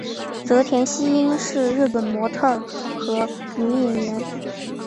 泽田汐音是日本模特儿和女演员。